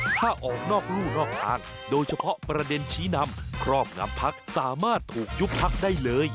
ถ้าออกนอกรู่นอกทางโดยเฉพาะประเด็นชี้นำครอบงำพักสามารถถูกยุบพักได้เลย